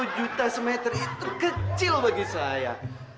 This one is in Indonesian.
lima puluh juta semeter itu kecil bagi saya